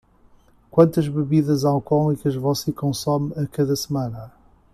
Quantas bebidas alcoólicas você consome a cada semana?